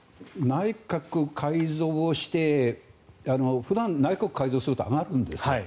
内閣改造をして普段、内閣改造すると上がるんです。